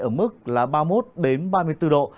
ở mức là ba mươi một ba mươi bốn độ